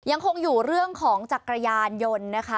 ยังคงอยู่เรื่องของจักรยานยนต์นะคะ